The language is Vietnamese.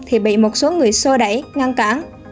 thì bị một số người xô đẩy ngăn cản